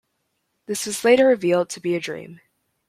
This was later revealed to be a dream.